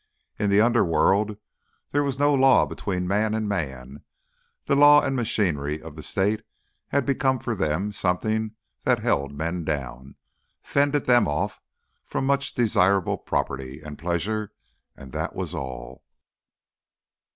In the Underworld there was no law between man and man; the law and machinery of the state had become for them something that held men down, fended them off from much desirable property and pleasure, and that was all.